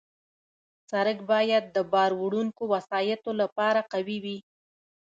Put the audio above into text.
سړک باید د بار وړونکو وسایطو لپاره قوي وي.